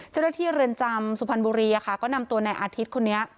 เจ้าหน้าที่เรือนจำสุพรรณบุรีอ่ะค่ะก็นำตัวนายอาทิตย์คนนี้